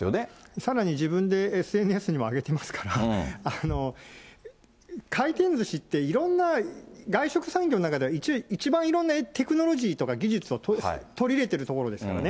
さらに自分でＳＮＳにも上げてますから、回転ずしって、いろんな外食産業の中では、一番いろんなテクノロジーとか技術を取り入れてる所ですからね。